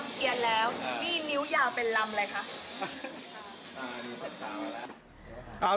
นี่นิ้วยาวเป็นลำอะไรคะ